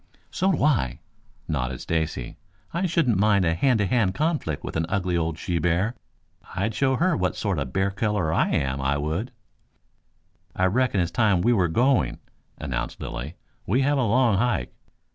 "So do I," nodded Stacy. "I shouldn't mind a hand to hand conflict with an ugly old she bear. I'd show her what sort of a bear killer I am, I would." "I reckon it's time we were going," announced Lilly. "We have a long hike."